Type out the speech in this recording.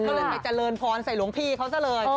เก่งไปเจริญพรใส่หรวงพี่เขาเสริญ